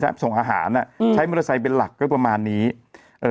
อตรแอปส่องอาหารอ่ะใช้มือใส่เป็นหลักก็ประมาณนี้เอ่อ